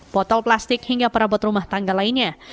botol plastik hingga perabot rumah tangga lainnya